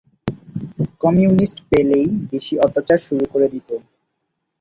Communist পেলেই বেশি অত্যাচার শুরু করে দিত।